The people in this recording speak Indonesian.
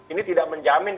ini tidak menjamin